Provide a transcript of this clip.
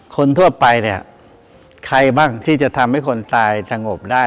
คนทั่วไปเนี่ยใครบ้างที่จะทำให้คนตายสงบได้